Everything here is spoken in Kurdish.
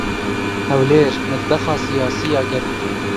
Hewlêr, midbexa siyasî ya germ!